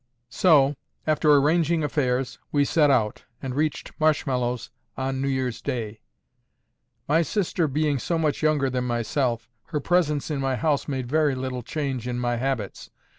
So, after arranging affairs, we set out, and reached Marshmallows on New Year's Day. My sister being so much younger than myself, her presence in my house made very little change in my habits.